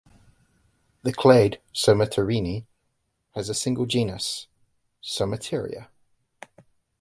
The clade Somaterini has a single genus "Somateria".